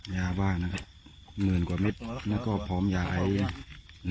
ยาบ้านะครับเหมือนกับเม็ดแล้วก็พร้อมยาไอ๑๐๐จี